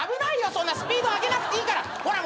そんなスピード上げなくていいから。